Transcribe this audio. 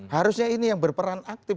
harusnya ini yang berperan aktif